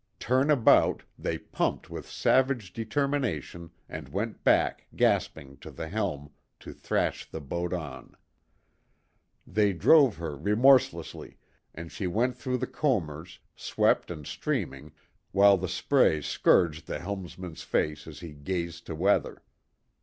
Turn about, they pumped with savage determination and went back, gasping, to the helm, to thrash the boat on. They drove her remorselessly; and she went through the combers, swept and streaming, while the spray scourged the helmsman's face as he gazed to weather.